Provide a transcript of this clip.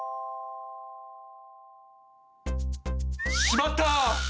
しまった！